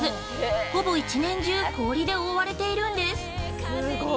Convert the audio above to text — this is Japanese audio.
ほぼ１年中氷で覆われているんです。